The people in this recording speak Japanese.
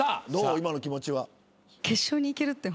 今の気持ちは。